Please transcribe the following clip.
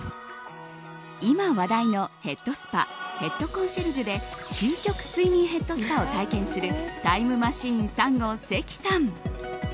今話題のヘッドスパヘッドコンシェルジュで究極睡眠ヘッドスパを体験するタイムマシーン３号・関さん。